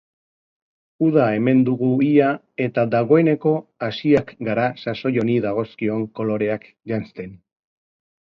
Uda hemen dugu ia eta dagoeneko hasiak gara sasoi honi dagozkion koloreak janzten.